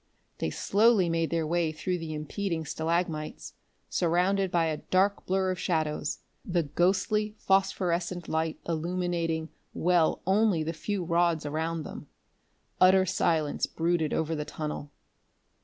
They slowly made their way through the impeding stalagmites, surrounded by a dark blur of shadows, the ghostly phosphorescent light illuminating well only the few rods around them. Utter silence brooded over the tunnel.